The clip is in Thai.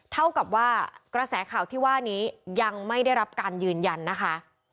เท่ากับว่ากระแสข่าวที่ว่านี้ยังไม่ได้รับการยืนยันนะคะ